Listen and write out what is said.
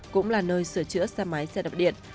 cũng là nơi sửa chế tầng một của ngôi nhà